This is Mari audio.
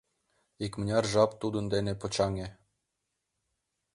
Икмыняр жап тудын дене почаҥе.